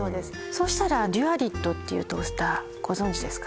そうしたらデュアリットっていうトースターご存じですか？